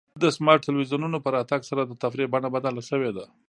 د سمارټ ټلویزیونونو په راتګ سره د تفریح بڼه بدله شوې ده.